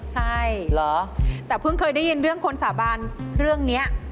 ใช่เหรอแต่เพิ่งเคยได้ยินเรื่องคนสาบานเรื่องนี้